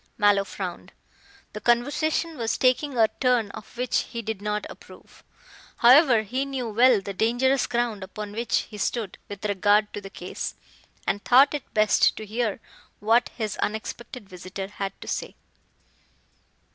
Mallow frowned. The conversation was taking a turn of which he did not approve. However, he knew well the dangerous ground upon which he stood with regard to the case, and thought it best to hear what his unexpected visitor had to say.